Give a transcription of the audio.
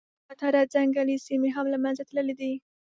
زیاتره ځنګلي سیمي هم له منځه تللي دي.